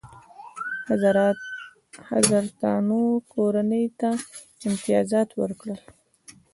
حضرتانو کورنۍ ته امتیازات ورکړل.